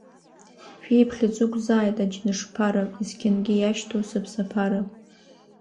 Шәиԥхьыӡ уқәзааит аџьныш ԥара, Есқьынгьы иашьҭоу сыԥсапара…